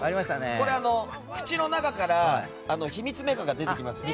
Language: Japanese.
これ、口の中から秘密メカが出てきます。